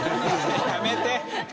やめて！